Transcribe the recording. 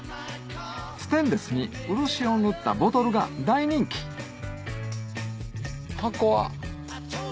ステンレスに漆を塗ったボトルが大人気Ｈａｃｏａ。